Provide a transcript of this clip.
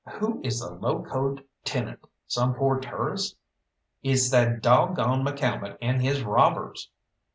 "Who is the locoed tenant some poor tourist?" "It's that dog gone McCalmont and his robbers!"